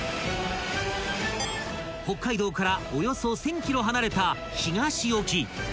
［北海道からおよそ１，０００ｋｍ離れた東沖］